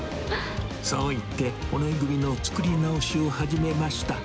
そう言って、骨組みの作り直しを始めました。